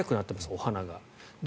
お花が。